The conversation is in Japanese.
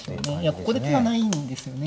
ここで手がないんですよね。